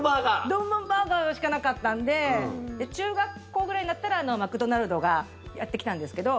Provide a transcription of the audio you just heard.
ドムドムバーガーしかなかったんで中学校くらいになったらマクドナルドがやってきたんですけど。